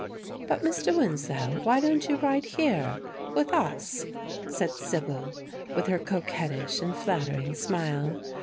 "But, Mr. Winslow, why don't you ride here with us?" said Sibyl, with her coquettish and flattering smile.